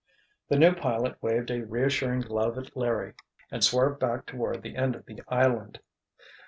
The new pilot waved a reassuring glove at Larry and swerved back toward the end of the island.